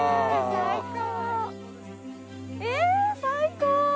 最高。